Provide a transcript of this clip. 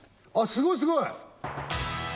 すごいすごい！